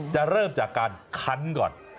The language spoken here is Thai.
เริ่มจากการคั้นก่อน